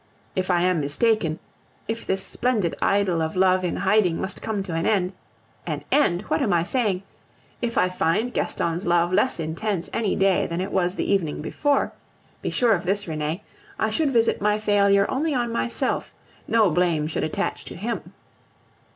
If I am mistaken, if this splendid idyl of love in hiding must come to an end an end! what am I saying? if I find Gaston's love less intense any day than it was the evening before, be sure of this, Renee, I should visit my failure only on myself; no blame should attach to him.